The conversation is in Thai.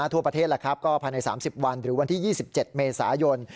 ทั่วประเทศก็ภายใน๓๐วันหรือวันที่๒๗เมษายน